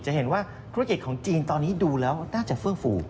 จะเห็นว่าธุรกิจของจีนตอนนี้ดูแล้วน่าจะเฟื่องฟู